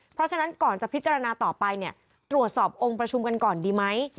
เพราะฉะนั้นก่อนจะพิจารณาต่อไปเนี่ยตรวจสอบองค์ประชุมกันก่อนดีไหม